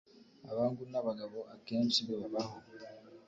abahungu n'abagabo akenshi bibabaho